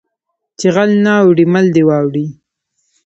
ـ چې غل نه اوړي مل دې واوړي .